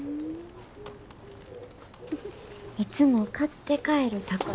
「いつも買って帰るたこせん」。